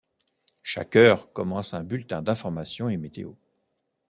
Chaque heure commence un bulletin d'informations et météo.